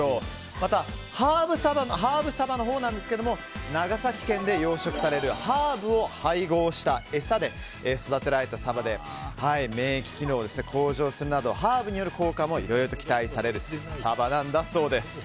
また、ハーブサバは長崎県で養殖されるハーブを配合した餌で育てられたサバで免疫機能も向上するなどハーブによる効果もいろいろと期待されるサバなんだそうです。